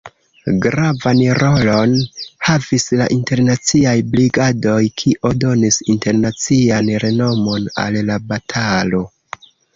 Gravan rolon havis la Internaciaj Brigadoj, kio donis internacian renomon al la batalo.